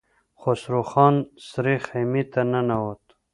خسرو خان سرې خيمې ته ننوت.